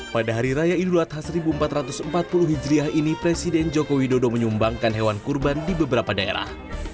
pada hari raya idul adha seribu empat ratus empat puluh hijriah ini presiden joko widodo menyumbangkan hewan kurban di beberapa daerah